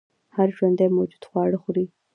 هر ژوندی موجود خواړه خوري